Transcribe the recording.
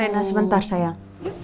rena sebentar sayang